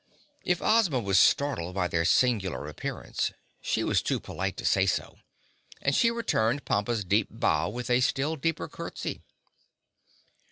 If Ozma was startled by their singular appearance, she was too polite to say so, and she returned Pompa's deep bow with a still deeper curtsey.